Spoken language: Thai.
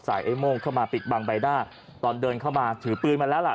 ไอ้โม่งเข้ามาปิดบังใบหน้าตอนเดินเข้ามาถือปืนมาแล้วล่ะ